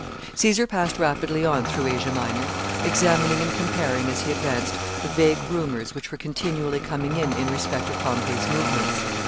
] Caesar passed rapidly on through Asia Minor, examining and comparing, as he advanced, the vague rumors which were continually coming in in respect to Pompey's movements.